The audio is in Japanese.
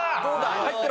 入ってろ！